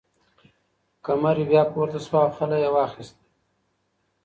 قمري بیا پورته شوه او خلی یې واخیست.